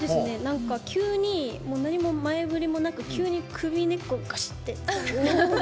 急に何も前触れもなく急に首根っこ、がしって。